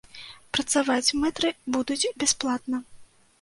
Працаваць мэтры будуць бясплатна.